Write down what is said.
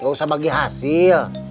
gak usah bagi hasil